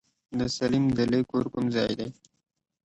د سليم دلې کور کوم ځای دی؟